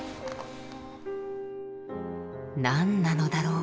何なのだろう